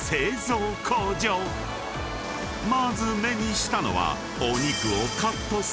［まず目にしたのは］